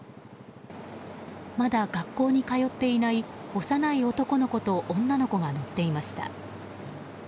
まだ学校に通っていない幼い男の子と女の子が乗っていました。